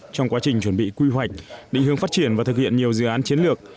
trong quá trình chuẩn bị quy hoạch định hướng phát triển và thực hiện nhiều dự án chiến lược